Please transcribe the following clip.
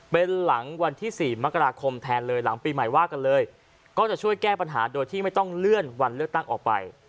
เป็นหลังวันที่๔มกราคมแทนเลยหลังปีใหม่ว่ากันเลยก็จะช่วยแก้ปัญหาโดยที่ไม่ต้องเลื่อนวันเลือกตั้งออกไป